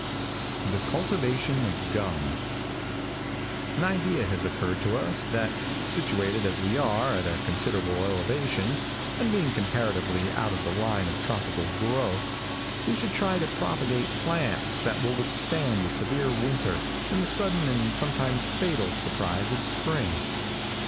THE CULTIVATION OF GUM. |AN idea has occurred to us, that, situated as we are at a considerable elevation, and being comparatively out of the line of tropical growth, we should try to propagate plants that will withstand the severe winter and the sudden and sometimes fatal surprise of spring.